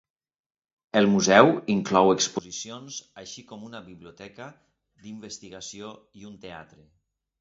El museu inclou exposicions així com una biblioteca d'investigació i un teatre.